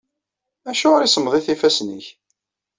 Acuɣer i semmḍit yifassen-ik?